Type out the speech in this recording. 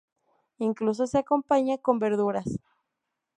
Incluso se acompaña con verduras.